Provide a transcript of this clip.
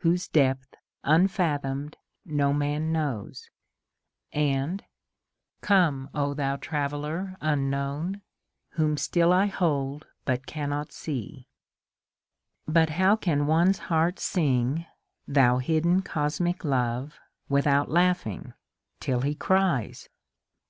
Whose depth unf athomed no man knows !— and Come, O thou traveUer unknown, Whom still I hold but cannot see I But how can one's heart sing, ^* Thou hidden cosmic Love " without laughing (till he cries